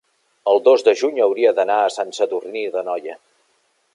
el dos de juny hauria d'anar a Sant Sadurní d'Anoia.